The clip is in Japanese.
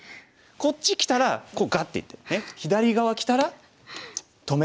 こっちきたらこうガッていって左側きたら止める。